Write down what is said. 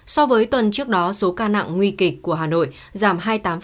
so với tuần trước đó số ca nặng nguy kịch của hà nội giảm hai mươi tám